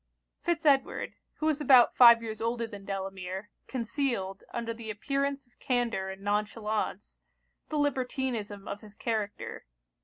Fitz Edward, who was about five years older than Delamere, concealed, under the appearance of candour and non chalance, the libertinism of his character.